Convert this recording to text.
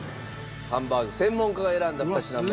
ハンバーグ専門家が選んだ２品目